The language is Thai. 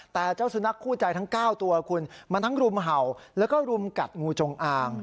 แต่เจ้าสุนัขคู่ใจทั้ง๙ตัวคุณมันทั้งรุมเห่าแล้วก็รุมกัดงูจงอาง